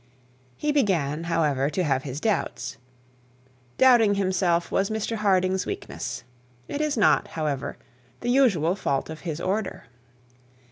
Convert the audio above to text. He began, however, to have doubts. Doubting himself was Mr Harding's weakness. It is not, however, the usual fault of his order.